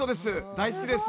大好きです。